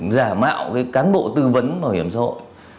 giả mạo cái cán bộ tư vấn bảo hiểm xã hội